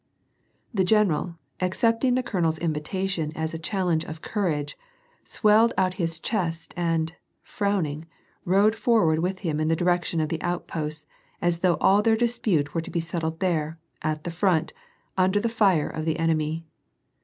The general, accepting the colonel's invitation as a challenge of courage, swelled out his chest and, frowning, rode forward with him in the direction of the outposts, as though all their dispute were to be settled there, at the front, under the fire of the en emy.